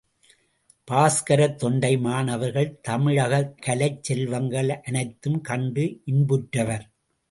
பாஸ்கரத் தொண்டைமான் அவர்கள் தமிழகக் கலைச் செல்வங்கள் அனைத்தும் கண்டு இன்புற்றவர்.